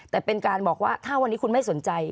แต่เป็นการบอกว่าถ้าวันนี้คุณไม่สนใจ